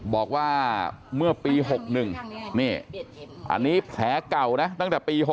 บอกว่าเมื่อปี๖๑นี่อันนี้แผลเก่านะตั้งแต่ปี๖๖